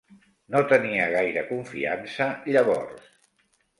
No tenia gaire confiança llavors.